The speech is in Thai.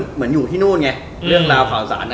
จริงหรอ